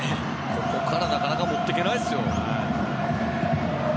ここからなかなか持っていけないですよ。